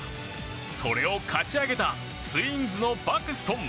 それをかち上げたツインズのバクストン。